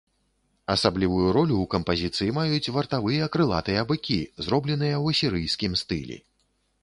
Асаблівую ролю ў кампазіцыі маюць вартавыя крылатыя быкі, зробленыя ў асірыйскім стылі.